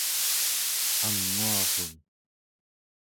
anguarun